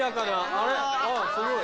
あすごい。